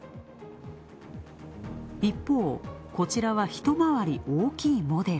一方、こちらは一回り大きいモデル。